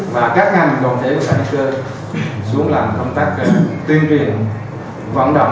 và các ngành gồm thể nhân sản cơ xuống làm công tác tuyên truyền vận động